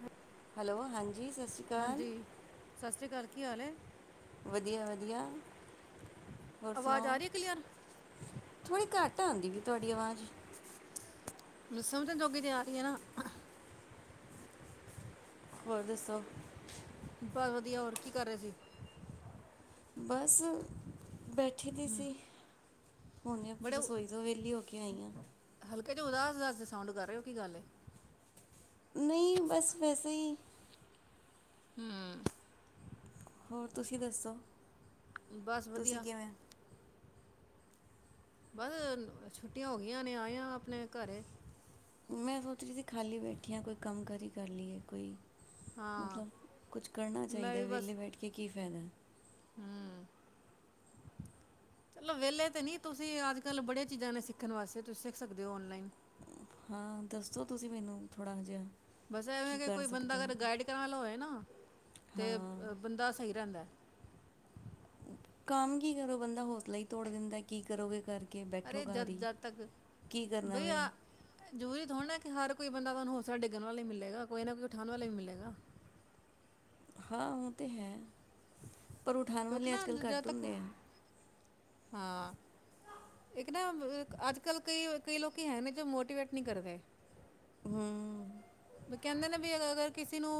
ਹਾਂ ਹੈਲੋ ਹਾਂਜੀ ਸਤਿ ਸ਼੍ਰੀ ਅਕਾਲ ਸਤਿ ਸ਼੍ਰੀ ਅਕਾਲ ਕੀ ਹਾਲ ਵਧੀਆ ਵਧੀਆ ਹੋਰ ਆਵਾਜ਼ ਆ ਸੁਣਾਓ ਰਹੀ ਹੈ ਕਲੀਅਰ ਥੋੜ੍ਹੀ ਘੱਟ ਆਉਦੀ ਤੁਹਾਡੀ ਆਵਾਜ਼ ਮਿਸਮ ਤੇ ਜੋਗੀ ਤਿਆ ਰਹੀ ਆ ਨਾ ਹੋਰ ਦੱਸੋ ਬਤਾ ਵਧੀਆ ਹੋਰ ਕੀ ਕਰ ਰਹੇ ਸੀ ਬਸ ਬੈਠੀ ਦੀ ਸੀ ਬੜੇ ਰਸੋਈ ਤੋਂ ਵਿਹਲੀ ਹੋ ੱਕੀਆਂ ਆਈਆਂ ਹਲਕੇ ਚ ਉਦਾਸ ਦਸ ਸਾਊਂਡ ਕਰ ਰਹੇ ਹੋ ਕੀ ਗੱਲ ਨਹੀਂ ਬਸ ਵੈਸੇ ਹੀ ਹਮ ਹੋਰ ਤੁਸੀਂ ਦੱਸੋ ਬਸ ਤੁਸੀਂ ਵਧੀਆ। ਕਿਵੇਂ ਬਸ ਛੁੱਟੀਆਂ ਹੋ ਗਈਆਂ ਨੇ, ਆਏਆਂ ਆਪਣੇ ਘਰੇ ਮੈਂ ਸੋਚ ਰਈਸੀ ਖਾਲੀ ਬੈਠੀ ਆਂ ਕੋਈ ਕੰਮ ਕਾਰਰੀ ਕਰ ਲਈਏ ਕੋਈ ਹਾਂ ਮਤਲਬ ਕੁੱਛ ਕਰਨਾ ਮੈਂ ਚਾਈਦਾ ਵਿਹਲੇ ਬੈਠ ਕੇ ਕੀ ਫੈਦਾ ਹਂ, ਚਲੋ ਵਿਹਲੇ ਤੇ ਨੀਂ ਤੁਸੀਂ ਅੱਜ ਕੱਲ ਬੜੀਆਂ ਚੀਜ਼ਾਂ ਨੇ ਸਿੱਖਣ ਵਾਸਤੇ ਤੁਸੀਂ ਸਿੱਖ ਸਕਦੇ ਹੋ ਓਨਲਾਈਨ। ਹਾਂ, ਦੱਸੋ ਤੁਸੀਂ ਮੈਨੂੰ ਥੋੜਾ ਜਿਹਾ ਬਸ ਐਵੇਂ ਕੀ ਕਿ ਕਰ ਕੋਈ ਬੰਦਾ ਸਕਦੇ ਹਾਂ ਅਗਰ ਗਾਈਡ ਕਰਨ ਵਾਲਾ ਹੋਵੇ ਨਾ। ਤੇ ਹਾਂ ਬੰਦਾ ਸਹੀ ਰਹਿੰਦਾ ਕੰਮ ਕੀ ਕਰੋ ਬੰਦਾ ਹੌਸਲਾ ਹੀ ਤੋੜ ਦਿੰਦਾ ਕੀ ਕਰੋਗੇ ਕਰਕੇ ਬੈਠੋ ਅਰੇ ਜਦ, ਘਰ ਹੀ ਜਦ ਤੱਕ ਕੀ ਕਰਨਾ ਬਈ ਵੇ ਆ ਜ਼ਰੂਰੀ ਥੋੜ ਨਾ ਕਿ ਹਰ ਕੋਈ ਬੰਦਾ ਤੁਹਾਨੂੰ ਹੌਸਲਾ ਡਿੱਗਣ ਵਾਲਾ ਵੀ ਮਿਲੇਗਾ ਕੋਈ ਨਾ ਕੋਈ ਉਠਾਉਣ ਵਾਲਾ ਵੀ ਮਿਲੇਗਾ। ਹਾਂ ਓ ਤੇ ਹੈ। ਪਰ ਉਠਾਉਣ ਵਾਲੇ ਅੱਜ ਕੱਲ੍ਹ ਘੱਟ ਹੁੰਦੇਐ। ਹਾਂ, ਇੱਕ ਨਾ ਅੱਜ ਕੱਲ੍ਹ ਕਈ, ਕਈ ਲੋਕ ਹੈ ਨੇਂ ਜੋ ਮੋਟੀਵੇਟ ਨਹੀਂ ਕਰਦੇ। ਹਂ ਵੀ ਕਹਿੰਦੇ ਨੇ ਵੀ ਅਗਰ ਕਿਸੇ ਨੂੰ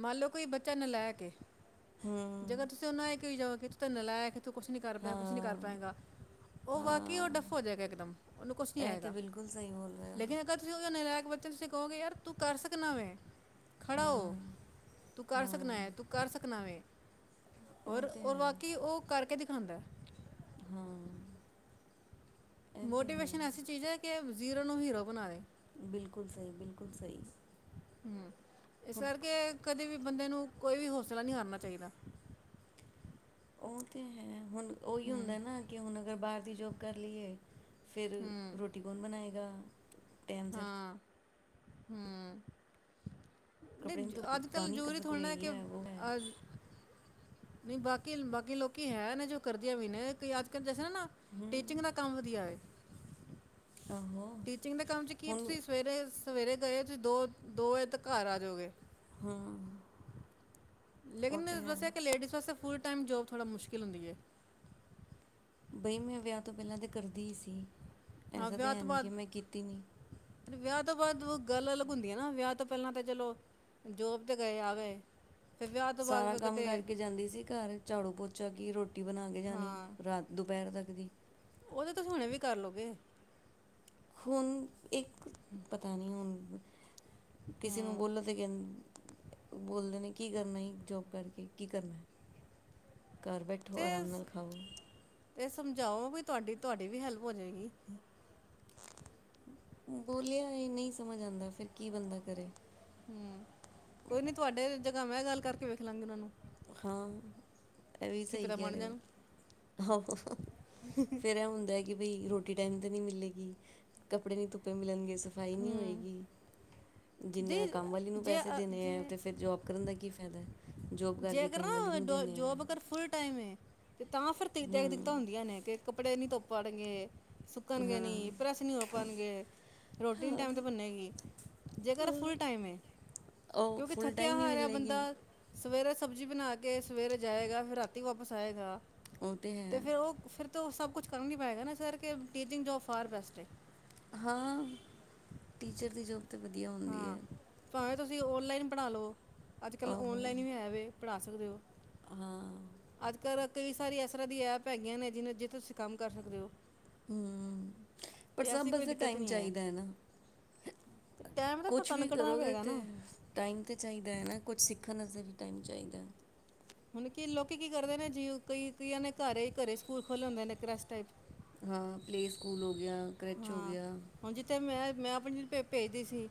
ਮੰਨ ਲਓ, ਕੋਈ ਬੱਚਾ ਨਲੈਕ ਐ ਜੇਕਰ ਹੂੰ ਤੁਸੀਂ ਉਹਨਾਂਏ ਕਈ ਜਾਓ। ਕਿ ਧ ਨਲਾਇਕ ਕੁਛ ਨਹੀਂ ਕਰ ਪਾਏਂਗਾ ਕੁਛ ਨਹੀਂ ਕਰ ਹਾਂ ਪਾਏਂਗਾ ਉਹ ਵਾਕਈ ਹਾਂ ਉਹ ਡੱਫ ਹੋ ਜਾਏਗਾ ਇੱਕਦਮ, ਉਹਨੂੰ ਕੁਛ ਨਹੀਂ ਇਹ ਤੇ ਆਏਗਾ ਬਿਲਕੁਲ ਸਹੀ ਬੋਲ ਰਹੇ ਹੋ ਲੇਕਿਨ ਅਗਰ ਤੁਸੀਂ ਉਹ ਨਹੀਂ ਲਹਿ ਬੱਚੇ ਨੂੰ ਸਿਖੋਗੇ ਯਾਰ ਤੂੰ ਕਰ ਸਕਨਾ ਵੈਂ। ਖੜਾ ਹੋ ਹਾਂ ਤੂੰ ਕਰ ਸਕਣਾ ਹਾਂ ਐਂ ਤੂੰ ਕਰ ਸਕਣਾ ਵੇਂ। ਉਹ ਹੋਰ ਤੇ ਹੋਰ ਹੈ ਬਾਕੀ ਉਹ ਕਰਕੇ ਦਿ ਖਾਉਂਦਾ। ਹਾਂ। ਇਹ ਤੇ ਹੈ ਮੋਟੀਵੇਸ਼ਨ ਐਸੀ ਚੀਜ਼ ਹੈ ਕਿ ਜ਼ੀਰੋ ਨੂੰ ਹੀਰੋ ਬਣਾਂਦੇ। ਬਿਲਕੁਲ ਸਹੀ ਬਿਲਕੁਲ ਸਹੀ। ਹਂ ਇਸ ਹੁਣ ਕਰਕੇ ਕਦੇ ਵੀ ਬੰਦੇ ਨੂੰ ਕੋਈ ਵੀ ਹੌਸਲਾ ਨਹੀਂ ਹਾਰਨਾ ਚਾਈਦਾ। ਉਹ ਤੇ ਹੈ। ਹੁਣ ਉਹੀ ਹੁੰਦਾ ਨਾ ਕਿ ਹੁਣ ਅਗਰ ਬਾਹਰ ਤੀ ਜੋੋਬ ਕਰ ਲਈਏ। ਫਿਰ ਹੂੰ ਰੋਟੀ ਕੌਣ ਬਣਾਏ? ਅਦਾ [unintelligible] ਹਾਂ ਹਮ। ਕੱਪੜੇ ਨੂੰ ਤੋਂ ਕਾਮ ਨੀ ਕਰ ਸਕੋ ਗੇ ਯੇ ਹੈ ਵੋ ਹੈ। ਅ, ਨਹੀਂ ਬਾਕੀ ਬਾਕੀ ਲੋਕੀ ਹੈ ਨੇ, ਜੋ ਕਰਦੀਆਂ ਵੀ ਨੇ ਅੱਜ ਕੱਲ੍ਹ ਜੇ ਨਾ, ਨਾ ਟੀਚਿੰਗ ਦਾ ਕੰਮ ਵਧੀਆ ਏ ਆਹੋ ਟੀਚਿੰਗ ਦੇ ਕੰਮ ਚ ਕੀ ਹੁਣ ਤੁਸੀਂ ਸਵੇਰੇ -ਸਵੇਰੇ ਗਏ, ਤੁਸੀਂ ਦੋ ਦੋ ਵਜੇ ਤਕ ਘਰ ਆਜੋਗੇ। ਹਮ। ਲੇਕਿਨ ਬਸ ਹੈ ਕਿ ਲੇਡੀਜ਼ ਵਾਸਤੇ ਫੂਲ ਟਾਈਮ ਜੋਬ ਥੋੜ੍ਹਾ ਮੁਸ਼ਕਿਲ ਹੁੰਦੀ ਹੈ। ਬਈ ਮੈਂ ਵਿਆਹ ਤੋਂ ਪਹਿਲਾਂ ਤੋਂ ਕਰਦੀ ਹੀ ਸੀ। ਹਾਂ ਐਸਾ ਤਾਂ ਵਿਆਹ ਹੈ ਤੋਂ ਨੀ ਬਾਅਦ ਕਿ ਮੈਂ ਕੀਤੀ ਨੀ ਵਿਆਹ ਤੋਂ ਬਾਅਦ ਗੱਲ ਅਲੱਗ ਹੁੰਦੀ ਹੈ ਨਾ ਵਿਆਹ ਤੋਂ ਪਹਿਲਾਂ ਤਾਂ ਚਲੋ ਜੋਬ ਤੇ ਗਏ ਆ ਗਏ। ਫਿਰ ਵਿਆਹ ਤੋਂ ਬਾਅਦ ਸਾਰਾ ਫਿਰ ਕੰਮ ਕਿਤੇ ਕਰਕੇ ਜਾਂਦੀ ਸੀ, ਘਰ ਝਾੜੂ ਪੋਚਾ ਕਿ ਰੋਟੀ ਬਣਾ ਕੇ ਜਾਣੀ ਹਾਂ ਰਾਤ ਦੁਪਹਿਰ ਤੱਕ ਜੀ। ਉਹ ਤੇ ਤੁਸੀਂ ਹੁਣੇ ਵੀ ਕਰ ਲੋਗੇ। ਹੂਣ। ਇਹ ਪਤਾ ਨਹੀਂ ਹੁਣ ਹਮ। ਕਿਸੀ ਨੂੰ ਹੂੰ ਬੋਲੋ ਤੇ ਵੀ ਇੰਜ ਬੋਲਦੇ ਨੇ ਕੀ ਕਰਨਾ ਇ ਜੋਬ ਕਰਕੇ ਕੀ ਕਰਨਾ। ਘਰ ਬੇਟੋ ਹੋ ਤੇ ਆਰਾਮ ਸ- ਨਾਲ ਖਾਓ। ਤੇ ਸਮਝਾਓ ਵੀ ਤੁਹਾਡੀ, ਤੁਹਾਡੀ ਵੀ ਹੈਲਪ ਹੋਜੇ ਗੀ ਬੋਲਿਆ ਇਹ ਨਹੀਂ ਸਮਝ ਆਉਂਦਾ ਫਿਰ ਕੀ ਬੰਦਾ ਕਰੇ ਹਮ, ਕੋਈ ਨੀ ਤੁਹਾਡੇ ਜਗ੍ਹਾ ਮੈਂ ਗੱਲ ਕਰਕੇ ਵੇਖ ਲਾਂਗੀ ਉਹਨਾਂ ਨੂੰ ਹਾਂ। ਇਹ ਵੀ ਕੀ ਸਹੀ ਪਤਾ ਕਹਿ ਮੰਨ ਰਹੇ ਜਾਣ ਹੋ ਫੇਰ ਇਹ ਹੁੰਦਾ। ਕਿ ਬਈ ਰੋਟੀ ਟਾਈਮ ਤਾਂ ਨਹੀਂ ਮਿਲੇਗੀ ਕੱਪੜੇ ਨੀ ਧੁੱਪੇ ਮਿਲਣਗੇ। ਸਫਾਈ ਨਹੀਂ ਹੂੰ ਹੋਏਗੀ। ਦੀ ਜਿੰਨਾ ਕੰਮ ਵਾਲੀ ਨੂੰ ਜੇ ਪੈਸੇ ਅ- ਦੇਣੇ ਹੈ ਜੇ ਤਾਂ ਫਿਰ ਜੋਬ ਕਰਨ ਦਾ ਕੀ ਫਾਇਦਾ ਜੋਬ ਜੇ ਕਰਕੇ ਅਗਰ ਕੰਮ ਵਾਲੀ ਨਾ ਨੂੰ ਜ ਦੇਣੇ ਆ ਜੋਬ ਅਗਰ ਫੁਲ ਟਾਈਮ ਹੈ। ਤੇ ਤਾਂ ਫਿਰ ਤਖਤ ਦਿੱਕਤਾਂ ਹੂੰ ਹੁੰਦੀਆਂ ਨੇ ਕਿ ਕੱਪੜੇ ਨੀ ਧੋਪ ਕਰਾਗੇ। ਸੁੱਕਣ ਗ ਨਹੀਂ ਪ੍ਰੈੱਸ ਨਹੀਂ ਹੋ ਪਾਉਣਗੇ ਰੋਟੀ ਨਹੀਂ ਟਾਈਮ ਦੇ ਬੰਨੇ ਜੇਕਰ ਫੁੱਲ ਟਾਈਮ ਹੈ, ਉਹ ਕਿਉਂਕਿ ਫੁੱਲ ਥੱਕਿਆ ਟਾਈਮ ਹੀ ਹਾਰਿਆ ਮਿਲੇਗੀ ਬੰਦਾ ਸਵੇਰੇ ਸਬਜ਼ੀ ਬਣਾ ਕੇ ਸਵੇਰੇ ਜਾਏਗਾ ਫਿਰ ਰਾਤੀ ਵਾਪਸ ਆਏਗਾ। ਉਹ ਤੇ ਹੈ ਫੇਰ ਉਹ ਫਿਰ ਤਾਂ ਉਹ ਸਭ ਕੁਛ ਕਰਨ ਨਹੀਂ ਪਏਗਾ ਨਾ ਸਰ ਕਿ ਟੀਚਿੰਗ ਜੋਬ ਫਾਰ ਬੈਸਟ ਏ ਹਾਂ ਟੀਚਰ ਦੀ ਜੋ ਤ ਵਧੀਆ ਹੁੰਦੀ ਹਾਂ ਹੈ ਭਾਵੇਂ ਤੁਸੀਂ ਔਨਲਾਈਨ ਬਣਾ ਲੋ ਅੱਜ ਕੱਲ ਆਹੋ ਔਨਲਾਈਨ ਵੀ ਹੈ ਵ ਪੜ੍ਹਾ ਸਕਦੇ ਹੋ ਹਾਂ ਅੱਜ ਕੱਲ ਕਈ ਸਾਰੀ ਇਸ ਤਰ੍ਹਾਂ ਦੀਆਂ ਐਪ ਹੈਗੀਆਂ ਨੇ ਜਿਹਨ ਜਿ ਤੁਸੀਂ ਕੰਮ ਕਰ ਸਕਦੇ ਹੋ ਹਮ ਪਰ ਤੇ ਐਸੀ ਕੋਈ ਸਭਸ ਦਿੱਕਤ ਟਾਈਮ ਨਹੀਂ ਚਾਹੀਦਾ ਹੈ ਨਾ ਤੇ ਟਾਈਮ ਤਾਂ ਫਿਰ ਕੁਛ ਤੁਹਾਨੂੰ ਵੀ ਕੱਢਣਾ ਕਰੋਗੇ ਪਏਗਾ ਤੇ ਨਾ ਟਾਈਮ ਤਾਂ ਚਾਹੀਦਾ ਹੈ ਨਾ ਕੁਛ ਸਿੱਖਣ ਵਸ ਵੀ ਟਾਈਮ ਚਾਹੀਦਾ ਹੁਣ ਕੀ ਲੋਕੀ ਕੀ ਕਰਦੇ ਨੇ ਜੀ ਕਈ ਕਈਆਂ ਨੇ ਘਰੇ ਘਰੇ ਸਕੂਲ ਖੋਲੇ ਹੁੰਦੇ ਨੇ ਕੈਸ ਟਾਈਪ ਹਾਂ ਪਲੇਅ ਸਕੂਲ ਹੋ ਗਿਆ ਕਰੈਚ ਹੋ ਹਾਂ ਗਿਆ ਹੁਣ ਜਿੱਥੇ ਮੈਂ ਮੈਂ ਆਪਣੀਪ ਭੇਜਦੀ ਸੀ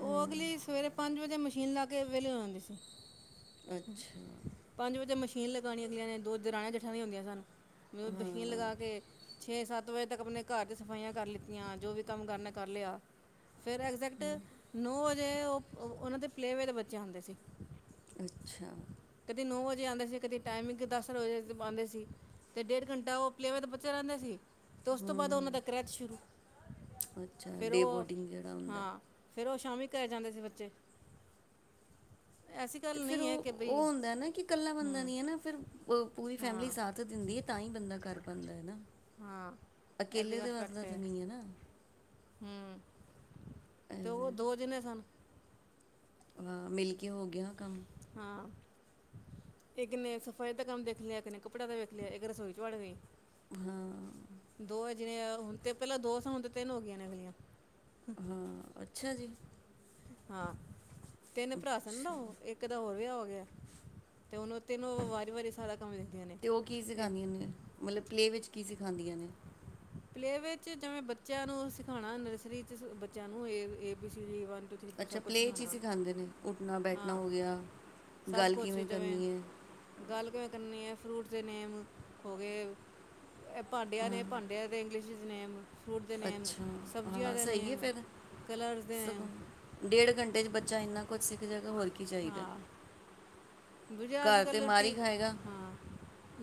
ਉਹ ਅਗਲੀ ਸਵੇਰੇ ਪੰਜ ਵਜੇ ਤੇ ਮਸ਼ੀਨ ਲਾ ਕੇ ਵਿਹਲੇ ਹੋ ਜਾਂਉਂਦੀ ਸੀ ਅੱਛਾ ਪੰਜ ਵਜੇ ਮਸ਼ੀ ਲਗਾਉਣੀ ਅਗਲੀਆਂ ਨੇ ਦੋ ਦਰਾਣੀਆਂ ਜਠਾਣੀਆਂ ਹੁੰਦੀਆਂ ਸਨ ਮੈਂ ਮਸ਼ੀਨ ਲਗਾ ਕੇ ਛੇ ਸੱਤ ਸੱਤ ਵਜੇ ਤੱਕ ਆਪਣੇ ਘਰ ਦੀ ਸਫ਼ਾਈਆਂ ਕਰ ਲਿੱਤੀਆਂ ਜੋ ਵੀ ਕੰਮ ਕਰਨਾ ਕਰ ਲਿਆ ਫੇਰ ਐਗਜੈਕਟ ਨੌ ਵਜੇ ਤੇ ਉਹ ਉਹਨਾਂ ਦੇ ਪਲੇਵੇ ਦੇ ਬੱਚੇ ਹੁੰਦੇ ਸੀ ਅੱਛਾ ਕਦੇ ਨੌ ਵਜੇ ਆਉਂਦੇ ਸੀ ਕਦੇ ਟਾਈਮਿੰਗ ਦਸ ਵਜੇ ਆਉਂਦੇ ਸੀ ਤੇ ਡੇਢ ਘੰਟਾ ਉਹ ਪਲੇਵਰ ਦਾ ਬੱਚਾ ਰਹਿੰਦਾ ਸੀ ਤੇ ਉਸ ਤੋਂ ਬਾਅਦ ਹੂੰ ਉਹਨਾਂ ਦਾ ਕਰ੍ਰੈਤ ਸ਼ੁਰੂ ਅੱਛਾ ਫੇਿਰ ਡੇ ਉਹ ਬੋਰਡਿੰਗ ਜਿਹੜਾ ਹੁੰਦਾ ਹੈ। ਹਾਂ ਫੇਿਰ ਉਹ ਸ਼ਾਮੀ ਕਰੈ ਜਾਂਦੇ ਸੀ ਬੱਚੇ ਐਸੀ ਗੱਲ ਨਹੀਂ ਹੈ ਕਿ ਬਈ ਾ ਕਿ ਇਕੱਲਾ ਬੰਦਾ ਹੂੰ ਨੀ ਹਨ ਫਿਰ ਪੂਰੀ ਫੈਮਿਲੀ ਹਾਂ ਸਾਥ ਦਿੰਦੀ ਹੈ ਤਾਂ ਹੀ ਬੰਦਾ ਘਰ ਬੰਦਾਦੇ ਨਾ [inaudible] ਹਾਂ ਇਹਦੀ ਅਕੇਲੇ ਗੱਲ ਤੇ ਫੈਕਟ ਵਸਦਾ ਤੇ ਨਹੀਂ ਹੈ ਨਾ ਹਮ ਤੇ ਉਹ ਦੋ ਜਨੇ ਸਨ ਅ ਮਿਲਕ ਕੀ ਹੋ ਗਿਆ ਕੰਮ ਇੱਕਨ ਸਫ਼ਾਈ ਦਾ ਕੰਮ ਦੇਖ ਲਿਆ ਕਿਨ ਕੱਪੜਾ ਦਾ ਵਖ ਲਿਆ ਇੱਕ ਰਸੋਈ ਚ ਵੜ ਗਈ ਹਾਂ ਦੋ ਹਜ਼ਾਰ ਜਿਵੇ ਹੁਣ ਤੇ ਪਹਿਲਾਂ ਦੋ ਸਾਂ ਹੁਣ ਤੇ ਤਿੰਨ ਹੋ ਗਈਆਂ ਨੇ ਅਗਲੀਆਂ ਹਾਂ ਅੱਛ ਅੱਛਾ ਜੀ ਹਾਂ ਤਿੰਨ ਭਰਾ ਸਨ ਅੱਛਾ। ਦਾਓ ਇੱਕ ਤਾਂ ਹੋਰ ਵੀ ਆ ੇ [unintelligible] ਤੇ ਉਹਨੂੰ ਤੈਨੂੰ ਵਾਰੀ ਵਾਰੀ ਸਦਾ ਕਮੀ ਦਖਦੀਆਂ ਨੇ ਤੇ ਉਹ ਕੀ ਇਹ ਸਿਖਾਉਂਦੀਆਂ ਨੇ ਮਤਲਬ ਪਲੇ ਵਿੱਚ ਕੀ ਸਿਖਾਉਦੀਆਂ ਨੇ ਪਲੇਵੇ ਜਿਵੇਂ ਬੱਚਿਆਂ ਨੂੰ ਸਿਖਾਉਣਾ ਨਰਸਰੀ ਚ ਬੱਚਿਆਂ ਨੂੰਏੀ ਅੱਛਾ ਪਲੇਅ ' ਹੀ ਸਖਾਂਦੇ ਨੇ ਉੱਠਣਾ ਬੈਠਣਾ ਹਾਂ ਹੋ ਗਿਆ ਸਭ ਗੱਲ ਕਿਵੇਂ ਕਰਨੀ ਹੈ ਕੇ ਫਰੂਟਸ ਦੇ ਨੇਮ ਹੋਗੇ ਇਹ ਭਾਂਡਿਆਂ ਹਾਂ ਨੇ ਭਾਂਡੇ ਇੰਗਿਸ਼ਜ ਨੇ ਆਮ ਅੱਛਾ ਹਾਂ ਸਹੀ ਹੈ ਫਿਰ ਕਲਰਸ ਦੇ ਨੇਮ ਸਗੋਂ ਡੇਢ ਘੰਟੇ ਚ ਬੱਚਾ ਇੰਨਾ ਕੁਛ ਸਿੱਖ ਜਗ੍ਹਾ ਹੋਈ ਕੀ ਚਾਹੀਦਾ ਹਾਂ ਦੂਜਾ ਅੱਜ ਘਰ ਤੇ ਕੱਲ ਮਾਰ ਹੀ ਰੋਟੀ ਖਾਏਗਾ ਹਾਂ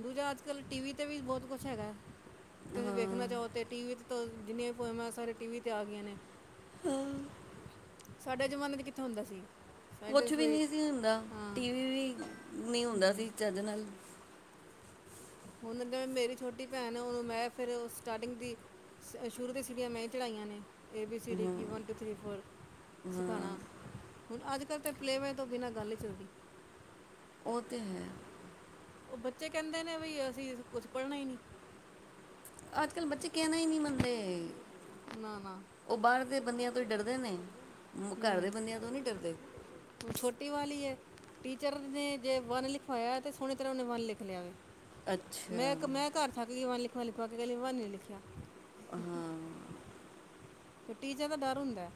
ਦੂਜਾਜ ਅੱਜ ਕੱਲ੍ਹ ਟੀ ਵੀ 'ਤੇ ਵੀ ਬਹੁਤ ਕੁਛ ਹੈਗਾ ਤੁਸੀਂ ਹਾਂ ਵੇਖਣਾ ਚਾਹੋ ਤੇ ਟੀ ਵੀ ਜਿੰਨੀਆਂ ਵੀ ਫੋਮਾਂ ਸਾਰੇ ਟੀਵ ਤੇ ਆ ਗਈਆਂ ਨੇ ਹਮ ਸਾਡੇ ਜ਼ਮਾਨੇ ਚ ਕਿੱਥੇ ਹੁੰਦਾ ਸੀ ਸਾਡੇ ਕੁਛ 'ਚ ਵੀ ਕੋਈ ਨਹੀਂ ਸੀ ਹੁੰਦਾ ਹਾਂ ਟੀ ਵੀ ਵੀ ਨ ਹੁੰਦਾ ਹੂੰ ਸੀੱਜ ਨਾਲ ਹੁਣ ਜਿਵੇ ਮੇਰੀ ਛੋਟੀ ਭੈਣ ਉਹਨੂੰ ਮੈਂ ਫੇਿਰ ਸਟਾਰਟਿੰਗ ਦੀ ਸ਼ੁਰੂ ਦੀ ਸਿੜੀਆਂ ਮੈਂ ਚੜਾਈਆਂ ਨੇ ਏ ਬੀ ਸੀ ਡੀ ਹਾਂ ਕਿ ਵਨ ਟੂ ਥ ਫੋਰ ਹਾਂ ਸਿਖਾਣਾ ਹੁਣ ਅੱਜ ਪਲੇਵੇੈ ਤੋਂ ਬਿਨਾਂ ਗੱਲ ਨਹੀਂ ਚੱਲਦੀ ਹੋਤੇ ਹੈ ਉਹ ਬੱਚੇ ਕਹਿੰਦੇ ਨੇ ਬਈ ਅਸੀਂ ਕੁਛ ਪੜ੍ਹਨਾ ਹੀ ਨਹੀਂੀ ਅੱਜ ਕੱਲ੍ਹ ਬੱਚੇ ਕਹਿਣਾ ਹੀ ਨਹੀਂੀ ਮੰਨਦੇ ਨਾ ਉਹ ਬਾਹਰ ਦੇ ਬੰਦਿਆਂ ਤੋਂ ਹੀ ਡਰਦੇ ਨੇ ਮ- ਘਰ ਦੇ ਬੰਦਿਆਂ ਤੋਂ ਨਹੀਂ ਡਰਦੇ ਛੋਟੀ ਵਾਲ ਆ ਟੀਚਰ ਨੇ ਜੇ ਵੰਨ ਲਿਖਵਾਇਆ ਤਾਂ ਸੋਹਣੀ ਤਰ੍ਹਾਂ ਉਹਨੇ ਵਨ ਲਿਖ ਲਿਆਗੇ ਮੈਂ ਅੱਛਾ ਇੱਕ ਮੈਂ ਘਰ ਥੱਕਦੀਵਾਂ ਲਿ ਲਿਖੁਆਂ ਲਿਖ ਕੇ ਗੱਲ ਵ ਨਹੀਂ ਲਿਖਿਆ ਹਾਂ ਤੇਟੀ ਜਾ ਦਾ ਡਰ ਹੁੰਦਾ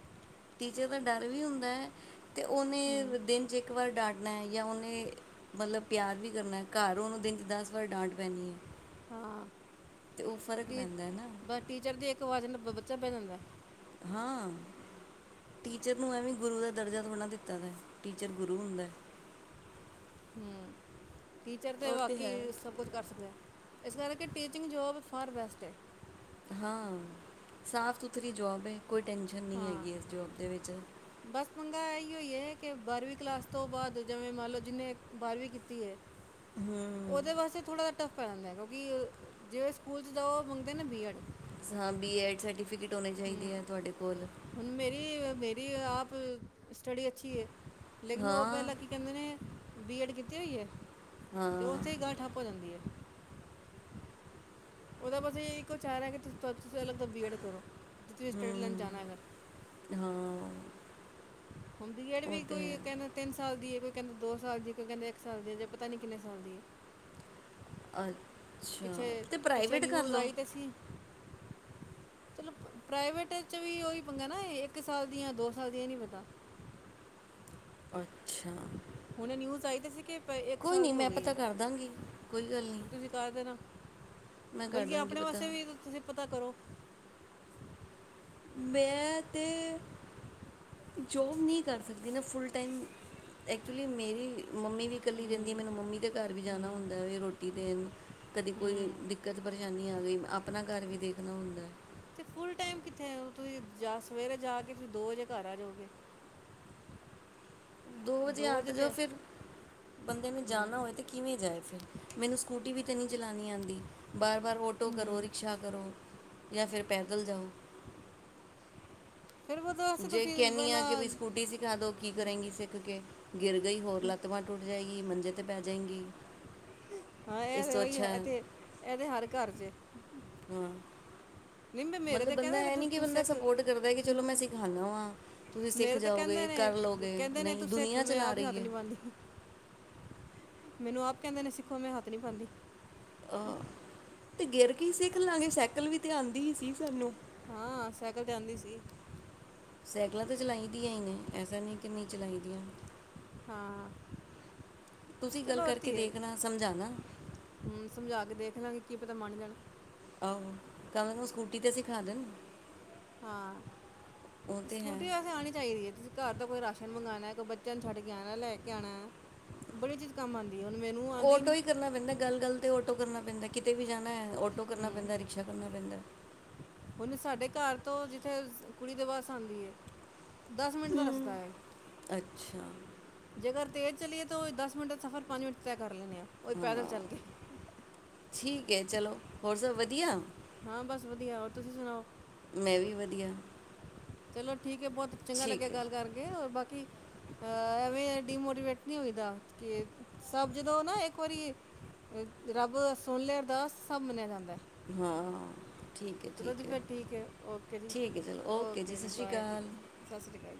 ਟੀਚਰ ਦਾ ਡਰ ਵੀ ਹੁੰਦਾ ਹੈ ਤੇ ਹਮ ਉਹਨੇ ਦਿਨ ਚ ਇੱਕ ਵਾਰ ਡਾਟ ਮੈਂ ਜਾਂ ਉਹਨੇ ਮਤਲਬ ਪਿਆਰ ਵੀ ਕਰਨਾ ਘਰ ਉਹਨੂੰ ਦਿਨ 'ਚ ਦਸ ਵਾਰ ਡਾਂਟ ਪੈਂਦੀ ਐ। ਹਾਂ ਟੀ ਪੈਂਦਾ ਹੈ ਨਾ ਟੀਚਰ ਦੀ ਇੱਕ ਆਵਾਜ਼ ਨਾ ਬ- ਚਾ ਬਹਿ ਜਾਂਦਾ। ਹਾਂ, ਟੀਚਰ ਨੂੰ ਐਵੇਂ ਗੁਰੂ ਦਾ ਦਰਜਾ ਥੋੜਾ ਨਾ ਦਿੱਤਾ ਵਾ। ਟੀਚਰ ਗੁਰੂ ਹੁੰਦਾ। ਹਮ। ਟੀਚਰ ਤੇ ਉਹ ਹੈ ਵਾਕੇ ਸਭ ਕੁਝ ਕਰ ਸਕਦੇ। ਇਸ ਕਰਕੇ ਟੀਚਿੰਗ ਜੋਬ ਫਾਰ ਬੈਸਟ ਹੈ। ਹਾਂ, ਸਾਫ਼ ਸੁਥਰੀ ਜੋਬ ਹੈ। ਕੋਈ ਟੈਸ਼ਨ ਨਹੀਂ ਹੈਗੀ ਇਸ ਜੋਬ ਦੇ ਵਿੱਚ। ਮੰਗਾ ਇਹ ਈਓ ਹੈ ਕਿ ਬਾਰਵੀਂ ਕਲਾਸ ਤੋਂ ਬਾਅਦ ਜਿਵੇਂ ਮੰਨ ਲਓ ਜਿਹਨੇ ਬਾਰ੍ਹਵੀਂ ਕੀਤੀ ਹੈ ਹੂੰ ਉਹਦੇ ਵਾਸਤੇ ਥੋੜਾ ਇਟ- ਫ਼ਰਕ ਪੈਂਦਾ ਐ ਕਿਉਂਕਿ ਜਿਵੇਂ ਸਕੂਲ ਚ ਤਾਂ ਉਹ ਮੰਗਦੇ ਨਾ ਬੀਐਡ। ਹਾਂ ਬੀ ਐਡ ਸਰਟੀਫਕੇਟ- ਹੋਣੇ ਚਾਹੀਦੇ ਹੂੰ ਆ ਤੁਹਾਡੇ ਕੋਲ। ਹੁਣ ਮੇਰੀ ਮੇਰੀ ਆਪ ਸਟਡੀ ਅੱਛੀ ਹੈ। ਲੇਕਿਨ ਉਹ ਹਾਂ ਪਹਿਲਾਂ ਕੀ ਕਹਿੰਦੇ ਨੇ- ਬੀਐਡ ਕੀਤੀ ਹੋਈ ਐ? ਤੇ ਹਾਂ ਉੱਥੇ ਹੀ ਗੱਲ ਠੱਪ ਹੋ ਜਾਂਦੀ ਐ। ਉਹਦਾ ਬਸ ਇੱਕੋ ਚਾਰਾ ਹੈ ਕਿ ਤੁਸੀਂ [unintelligible] ਬੀਐਡ ਕਰੋ। ਜੇ ਤੁਸੀਂ ਸਟੱਡੀ ਹਮ, ਲੈਣ ਜਾਣਾ ਅਗਰ ਹਾਂ। ਹੁਣ ਬੀਐਡ ਉਹ ਵੀ ਤੇ ਕੋਈ ਹੈ ਕਹਿੰਦੇ ਤਿੰਨ ਸਾਲ ਦੀ ਐ ਕੋਈ। ਕਹਿੰਦੇ ਦੋ ਸਾਲ ਦੀ ਐ ਕੋਈ ਕਹਿੰਦੇ ਇੱਕ ਸਾਲ ਦੀ, ਅਜੇ ਪਤਾ ਨੀ ਕਿੰਨੇ ਸਾਲ ਦੀ ਐ। [unintelligible] ਪਿੱਛੇ ਤੇ ਪਿੱਛੇ ਪ੍ਰਾਈਵੇਟ ਕਰ ਨਿਊਜ਼ ਲਓ ਆਈ ਤੇ ਸੀ। ਚਲੋ ਪ ਪ੍ਰਾਈਵੇਟ ਵੀ ਉਹ ਹੀ ਪੰਗਾ ਨਾ ਇੱਕ ਸਾਲ ਦੀਆਂ, ਦੋ ਸਾਲ ਦੀਆਂ, ਇਹ ਨੀ ਪਤਾ। ਅੱਛਾ। ਹੁਣੇ ਨਿਊਜ਼ ਆਈ ਤੇ ਸੀ ਕਿ- ਕੋਈ ਸਾਲ ਨਹੀਂ ਦੀ ਹੋ ਮੈਂ ਗਈ ਪਤਾ ਹੈ ਕਰ ਦਾਂਗੀ, ਕੋਈ ਗੱਲ ਨਹੀਂ। ਹੁਣ ਤੁਸੀਂ ਕਰ ਦੇਣਾ ਮੈਂ ਕਰ ਬਲਕਿ ਦਾਂਗੀ ਆਪਣੇ ਪਤਾ ਵਾਸਤੇ ਵੀ ਤ ਤੁਸੀਂ- ਪਤਾ ਕਰੋ। ਮੈਂ ਤੇ, ਜੋਬ ਨਹੀਂ ਕਰ ਸਕਦੀ ਨਾ ਫੁੱਲ ਟਾਈਮ ਐਚੁਲੀ ਮੇਰੀ- ਮੰਮੀ ਵੀ ਇਕੱਲੀ ਰਹਿੰਦੀ ਹੈ ਮੈਨੂੰ ਮੰਮੀ ਦੇ ਘਰ ਵੀ ਜਾਣਾ ਹੁੰਦਾ ਵੇ ਰੋਟੀ ਦੇਣ ਕਦੀ ਕੋਈ ਹੂੰ ਦਿੱਕਤ ਪਰੇਸ਼ਾਨੀ ਆ ਗਈ, ਆਪਣਾ ਘਰ ਵੀ ਦੇਖ- [unintelligible] ਹੁੰਦਾ। ਤੇ ਫੁਲ ਟਾਈਮ ਕਿੱਥੇ? ਤੁਸੀਂ ਜਾ ਸਵੇਰੇ ਜਾ ਕੇ ਤੁਸੀਂ ਦੋ ਵਜੇ ਘਰ ਆ ਜਾਓਗੇ। ਦੋ ਵਜੇ ਆ ਤੇ ਜਾਓ ਫਿਰ ਬੰਦੇ ਨੂੰ ਹੂੰ ਜਾਣਾ ਹੋਏ ਤੇ ਕਿਵੇਂ ਜਾਏ ਫਿਰ, ਮੈਨੂੰ ਸਕੂਟੀ ਵੀ ਤੇ ਨਹੀਂ ਜਲਾਣੀ ਆਂਦੀ। ਬਾਰ-ਬਾਰ ਆੱਟੋ ਕਰੋ ਹੂੰ ਰਿਕਸ਼ਾ ਕਰੋ। ਜਾਂ ਫਿਰ ਪੈਦਲ ਜਾਓ। ਫਿਰ ਉਹਦੇ ਵਾਸਤੇ ਜੇ ਤੁਸੀਂ ਕਹਿੰਨੀ ਆਂ ਕੇ ਪਹਿਲਾਂ ਬਈ ਸਕੂਟੀ ਸਿਖਾ ਦੋ, ਕੀ ਕਰੇਗੀ ਸਿੱਖ ਕੇ ਗਿਰ ਗਈ ਹੋਰ ਲੱਤ ਬਾਂਹ ਟੁੱਟ ਜਾਏ ਕੀ ਮੰਜੇ ਤੇ ਪੈ ਜਏਂਗੀ। ਹਾਂ, ਇਹ ਤੇ ਉਹੀ ਇਥੇ ਇਹ ਤੇ ਹਰ ਘਰ ਚ ਏ ਹਾਂ, ਮੈਂ ਮੇਰੇ ਮਤਲਬ ਤੇ ਬੰਦਾ ਕਹਿੰਦੇ ਨੇ ਇਹ ਤੂੰ ਨੀਂ ਕਿ ਤੂੰ ਬੰਦਾ ਸਿੱਖ ਸਪੋਰਟ ਕਰਦਾ ਕਿ ਚਲੋ ਮੈਂ ਸਿਖਾਨਾਂ ਵਾਂ ਤੁਸੀਂ ਸਿੱਖ ਮੇਰੇ ਤੇ ਜਾਓਗੇ, ਕਹਿੰਦੇ ਕਰ ਨੇ ਲੋਗੇ ਕਹਿੰਦੇ ਨੇ ਨਈਂ ਤੂੰ ਸਿੱਖ ਦੁਨੀਆਂ ਮੈਂ ਚਲਾ ਆਪ ਹੀ ਰਹੀ ਹੱਥ ਐ। ਨਹੀਂ ਪਾਉਂਦੀ ਮੈਨੂੰ ਆਪ ਕਹਿੰਦੇ ਨੇ ਸਿੱਖੋ ਮੈਂ ਹੱਥ ਨੀ ਪਾਂਦੀ। ਅ ਤੇ ਗਿਰ ਕੇ ਹੀ ਸਿਖ ਲਾਂਗੇ ਸਾਈਕਲ ਵੀ ਤੇ ਆਂਦੀ ਸੀ ਸਾਨੂੰ ਹਾਂ, ਸਾਈਕਲ ਤੇ ਆਂਦੀ ਸੀ। ਸਾਈਕਲਾਂ ਤਾਂ ਚਲਾਈ ਦੀਆਂ ਨੇ ਐਸਾ ਨਹੀ ਕਿ ਨਈਂ ਚਲਾਈਦੀਆਂ। ਹਾਂ। ਤੁਸੀਂ ਗੱਲ ਚਲੋ ਕਰਕੇ ਧੀਏ ਦੇਖਣਾ ਸਮਝਾਣਾ। ਹਮ, ਸਮਝਾ ਕੇ ਦੇਖ ਲਾਂਗੇ ਕੀ ਪਤਾ ਮੰਨ ਜਾਣ ਆਹੋ, ਤਾਂ ਉਹਨੂੰ ਸਕੂਟੀ ਤੇ ਸਿਖਾ ਦੇਣ। ਹਾਂ, ਉਹ ਤੇ ਹੈ ਸਕੂਟੀ ਵੇਸੇ ਆਣੀ ਚਾਈਦੀ ਐ, ਤੁਸੀਂ ਘਰ ਦਾ ਕੋਈ ਰਾਸ਼ ਮੰਗਵਾਣਾ ਕੋਈ ਬੱਚਿਆਂ ਨੂੰ ਛੱਡ ਕੇ ਆਣਾ, ਲੈ ਕੇ ਆਣਾ ਬੜੀ ਚੀਜ਼ ਕੰਮ ਆਂ ਓਟੋ ਈਂ ਕਰਨਾ ਪੈਂਦਾ ਗੱਲ-ਗੱਲ ਤੇ ਓਟੋ ਕਰਨਾ। ਪੈਂਦਾ ਕਿਤੇ ਵੀ ਜਾਣਾ ਐ। ਓਟੋ ਕਰਨਾ ਹੂੰ ਪੈਂਦਾ, ਰਿਕਸ਼ਾ ਕਰਨਾ ਪੈਂਦਾ। ਥੇ ਕੁੜੀ ਦੇ ਵਸ ਆਂਦੀ ਏ ਦਸ ਮਿੰਟ ਦਾ ਰਸਤਾ ਹੂੰ ਐ, ਅੱਛਾ ਜੇਕਰ ਤੇਜ ਚਲੀਏ ਤੋ ਦਸ ਮਿੰਟ ਦਾ ਸਫ਼ਰ ਪੰਜ ਮਿੰਟ ਤੈ ਕਰ ਲੈਂਦੇ ਆ ਉਹ ਵੀ ਪੈਦਲ ਹਾਂ ਚੱਲ ਕੇ ਠੀਕ। ਕੇ ਚਲੋ ਹੋਰ ਸਭ ਵਧੀਆ। ਹਾਂ ਬਸ ਵਧੀਆ ਹੋਰ ਤੁਸੀਂ ਸੁਣਾਓ। ਧੀਆ। ਚਲੋ ਠੀਕ ਐ, ਬਹੁਤ ਚੰਗਾ ਲੱਗਿਆ ਗੱਲ ਕਰਕੇ ਔਰ ਬਾਕ ਕਿ ਐਵੇਂ ਡੀਮੋਟੀਵੇਟ ਨਹੀਂ ਹੋਈਦਾ ਕੇ ਸਭ ਜਦੋਂ ਨਾ ਇੱਕ ਵਾਰੀ ਰੱਬ ਸੁਣ ਲੇ, ਅਰਦਾਸ ਸਭ ਮੰਨਿਆ ਜਾਂਦਾ। ਹੈ। ਹਾਂ। ਠੀਕ ਹੈ ਚਲੋ ਜੀ ਹੈ ਫਿਰ ਠੀਕ ਏ, ਓਕੇ ਜੀ, ਠੀਕ ਹੈ ਚਲੋ ਓਕੇ ਜੀ, ਸਤਿ ਸ਼੍ਰੀ ਬਾਏ ਜੀ, ਅਕਾਲ ਸਤਿ ਸ੍ਰੀ ਅਕਾਲ।